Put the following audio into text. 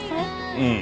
うん。